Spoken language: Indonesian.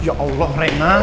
ya allah reina